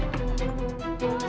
jalan lagi dia